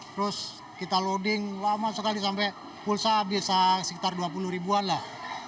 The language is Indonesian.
terus kita loading lama sekali sampai pulsa bisa sekitar dua puluh ribuan lah